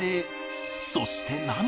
そして涙。